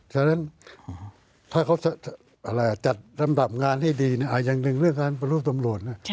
ฉะนั้นถ้าเขาจัดลำดับงานให้ดีอย่างหนึ่งเรื่องการปฏิรูปตำรวจนะ